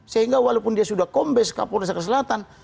sehingga walaupun dia sudah kombes kapolda jakarta selatan